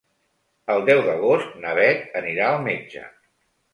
El deu d'agost na Bet anirà al metge.